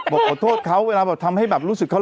บอกขอโทษเขาเวลาแบบทำให้แบบรู้สึกเขา